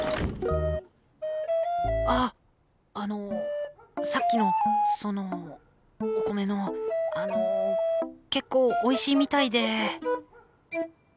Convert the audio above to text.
ああのさっきのそのお米のあのぉ結構おいしいみたいで。